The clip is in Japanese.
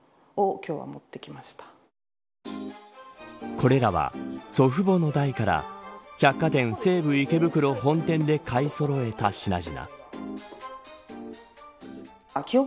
これらは、祖父母の代から百貨店西武池袋本店で買いそろえた品々。